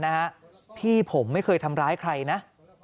นะฮะพี่ผมไม่เคยทำร้ายใครนะ